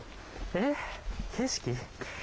えっ、景色？